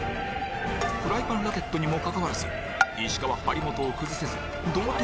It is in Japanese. フライパンラケットにもかかわらず石川張本を崩せず同点に次ぐ同点